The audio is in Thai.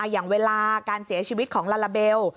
อย่างเวลาการเสียชีวิตของลาลาเบล